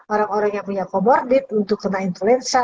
orang orang yang punya comorbid untuk kena influenza